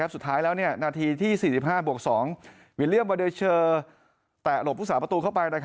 สุดท้ายแล้วนาทีที่๔๕บวก๒วิลเลียมวาเดเชอร์แตะหลบผู้สาประตูเข้าไป